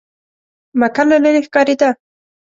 مکه له لرې ښکارېده.